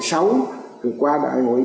rồi qua đại hội bảy